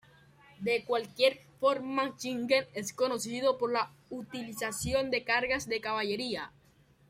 De cualquier forma, Shingen es conocido por la utilización de cargas de caballería.